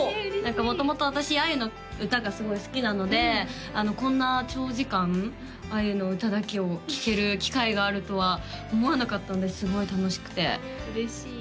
元々私杏優の歌がすごい好きなのでこんな長時間杏優の歌だけを聴ける機会があるとは思わなかったんですごい楽しくて嬉しい